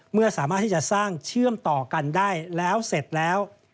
เมื่อสามารถที่จะสร้างเชื่อมต่อกันได้แล้วเสร็จแล้ว